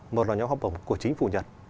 một là nhóm học bổng của chính phủ nhật